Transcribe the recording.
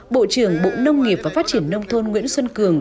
bộ trưởng bộ nông nghiệp và phát triển nông thôn nguyễn xuân cường